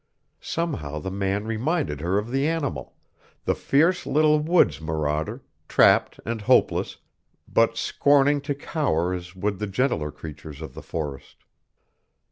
Somehow the man reminded her of the animal, the fierce little woods marauder, trapped and hopeless, but scorning to cower as would the gentler creatures of the forest.